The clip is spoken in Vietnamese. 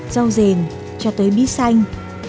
rau rền cho tới bí xanh